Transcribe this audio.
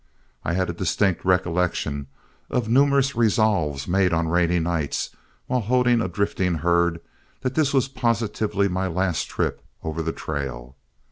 I had a distinct recollection of numerous resolves made on rainy nights, while holding a drifting herd, that this was positively my last trip over the trail.